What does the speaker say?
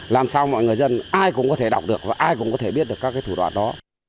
làm sao mọi người dân ai cũng có thể đọc được và ai cũng có thể biết được các thủ đoạn đó